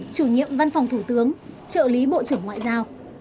chủ nhiệm văn phòng thủ tướng trợ lý bộ trưởng ngoại giao